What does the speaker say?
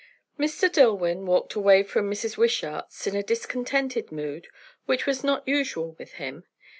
Mr. Dillwyn walked away from Mrs. Wishart's in a discontented mood, which was not usual with him.